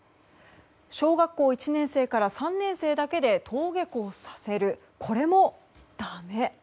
小学校１年生から３年生だけで登下校させる、これもだめ。